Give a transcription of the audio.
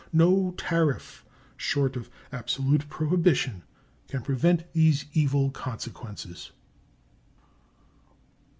No tariff short of absolute prohibition can prevent these evil consequences.